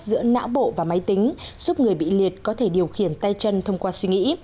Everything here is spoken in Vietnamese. giữa não bộ và máy tính giúp người bị liệt có thể điều khiển tay chân thông qua suy nghĩ